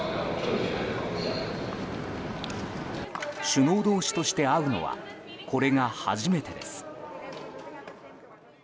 首脳同士として会うのはこれが初めてです。